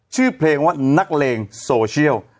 ชื่อเพลงว่านักเลงโซเชียล